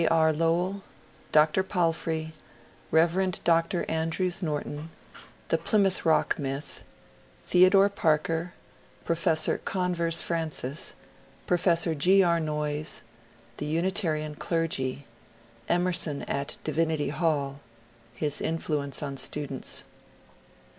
R. Lowell — Dr. Palfrey — Rer. Dr. Andrews Norton — The Plymonth Rook myth — Theodore Parker — Professor Conrers Francis — Professor G. R. Noyes — The Unitarian deigy — Emerson at DiTinity Hall — His inflnenoe on students.